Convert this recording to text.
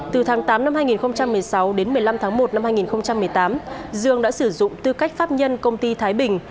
từ tháng tám năm hai nghìn một mươi sáu đến một mươi năm tháng một năm hai nghìn một mươi tám dương đã sử dụng tư cách pháp nhân công ty thái bình